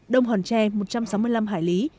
đông hòn tre một trăm sáu mươi năm hải lý